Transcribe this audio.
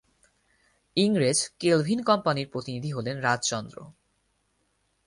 ইংরেজ কেলভিন কোম্পানির প্রতিনিধি হলেন রাজচন্দ্র।